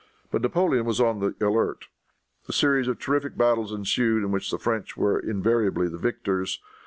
But Napoleon was on the alert. A series of terrific battles ensued, in which the French were invariably the victors.